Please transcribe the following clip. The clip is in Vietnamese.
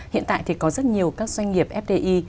hiện tại thì có rất nhiều các doanh nghiệp fdi